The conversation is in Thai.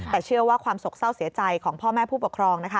แต่เชื่อว่าความสกเศร้าเสียใจของพ่อแม่ผู้ปกครองนะคะ